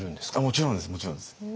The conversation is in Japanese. もちろんですもちろんです。